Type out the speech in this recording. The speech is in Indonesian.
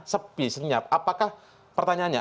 sepi senyap apakah pertanyaannya